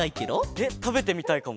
えったべてみたいかも。